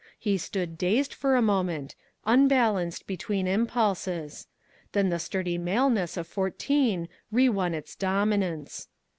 He stood dazed for a moment unbalanced between impulses. Then the sturdy maleness of fourteen rewon its dominance.